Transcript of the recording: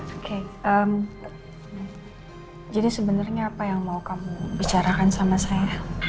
oke jadi sebenarnya apa yang mau kamu bicarakan sama saya